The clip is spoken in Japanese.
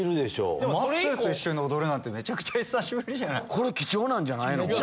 これ貴重なんじゃないの？